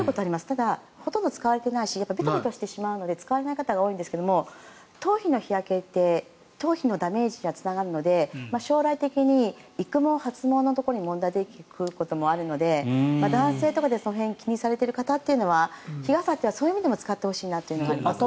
ただ、ほとんど使われていないしベトベトしてしまうので使われない方が多いんですが頭皮の日焼けって頭皮のダメージにつながるので将来的に育毛、発毛のところに問題が出てくるところもあるので男性とかでその辺を気にされてる方というのは日傘はそういう意味でも使ってほしいと思います。